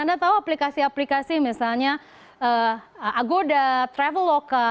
anda tahu aplikasi aplikasi misalnya agoda traveloka